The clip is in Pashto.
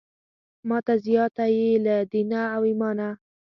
ماته زیاته یې له دینه او ایمانه.